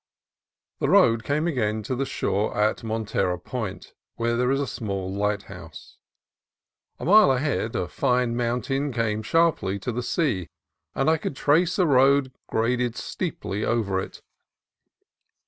The road came again to the shore at Montara Point, where there is a small lighthouse. A mile ahead a fine mountain came sharply to the sea, and I could trace a road graded steeply over it.